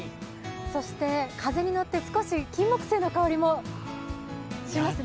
そして、風に乗って少しキンモクセイの香りもしますね。